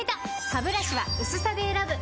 ハブラシは薄さで選ぶ！